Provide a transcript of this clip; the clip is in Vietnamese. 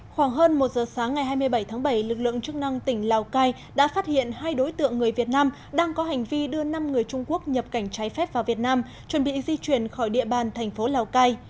khoảng hơn một giờ sáng ngày hai mươi bảy tháng bảy lực lượng chức năng tỉnh lào cai đã phát hiện hai đối tượng người việt nam đang có hành vi đưa năm người trung quốc nhập cảnh trái phép vào việt nam chuẩn bị di chuyển khỏi địa bàn thành phố lào cai